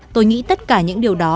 tôi nghĩ tất cả những điều đó